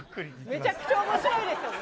めちゃくちゃおもしろいですよね。